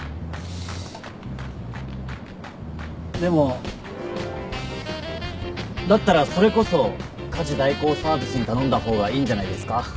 でもだったらそれこそ家事代行サービスに頼んだ方がいいんじゃないですか？